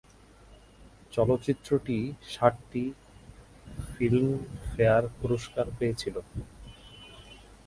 চলচ্চিত্রটি সাতটি ফিল্মফেয়ার পুরস্কার পেয়েছিল।